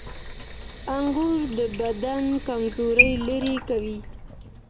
انګور د بدن کمزوري لرې کوي.